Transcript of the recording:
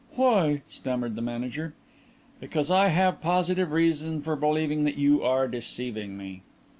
"Why?" stammered the manager. "Because I have positive reason for believing that you are deceiving me."